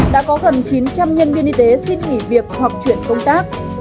đã có gần chín trăm linh nhân viên y tế xin nghỉ việc hoặc chuyển công tác